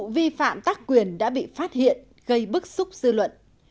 vi phạm tác quyền đã bị phát hiện gây bức xúc dư luận